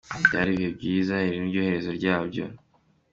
Byari ibihe byiza iri niryo herezo ryabyo.